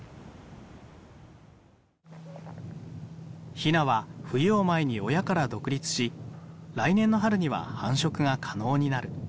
ひなは冬を前に親から独立し来年の春には繁殖が可能になる。